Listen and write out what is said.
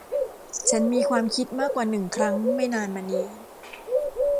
ฉันมีความคิดมากกว่าหนึ่งครั้งไม่นานมานี้